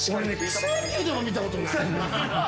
草野球でも見たことない。